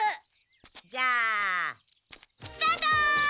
じゃあスタート！